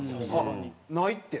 「ない」って。